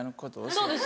そうです。